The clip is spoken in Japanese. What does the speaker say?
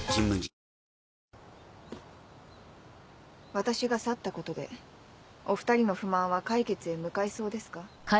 私が去ったことでお２人の不満は解決へ向かいそうですか？